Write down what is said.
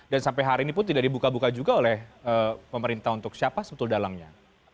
dan sampai hari ini pun tidak dibuka buka juga oleh pemerintah untuk siapa sebetulnya dalangnya